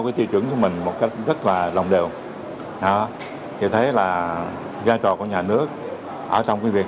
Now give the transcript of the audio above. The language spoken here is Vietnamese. cái tiêu chuẩn của mình một cách rất là đồng đều thì thế là giai trò của nhà nước ở trong cái việc